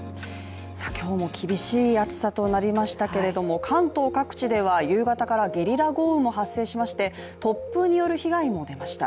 今日も厳しい暑さとなりましたけれども、関東各地では夕方からゲリラ豪雨も発生しまして突風による被害も出ました。